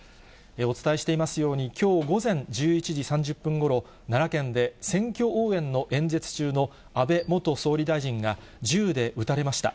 お伝えしていますように、きょう午前１１時３０分ごろ、奈良県で選挙応援の演説中の安倍元総理大臣が、銃で撃たれました。